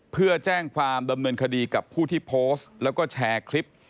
เพื่อแจ้งความดำเนินคดีกับผู้ที่โพสต์แล้วก็แชร์คลิป